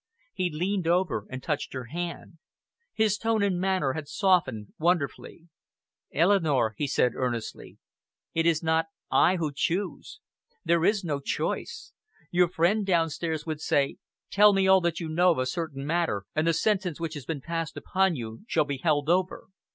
He leaned over and touched her hand. His tone and manner had softened wonderfully. "Eleanor," he said earnestly, "it is not I who choose. There is no choice! Your friend downstairs would say, 'Tell me all that you know of a certain matter, and the sentence which has been passed upon you shall be held over.'